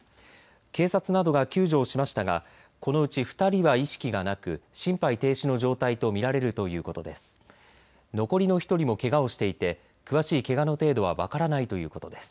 警察などが救助をしましたがこのうち２人は意識がなく心肺停止の状態と見られるということです。